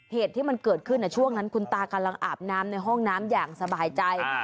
เหตุที่มันเกิดขึ้นช่วงนั้นคุณตากำลังอาบน้ำในห้องน้ำอย่างสบายใจ